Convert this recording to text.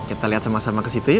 kita liat sama sama kesitu yuk